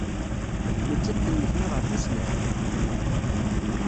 Nettat tennekna ɣer tusnakt.